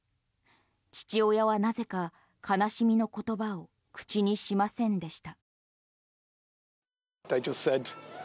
父親はなぜか悲しみの言葉を口にしませんでした。